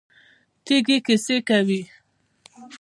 تیږې کیسې کوي.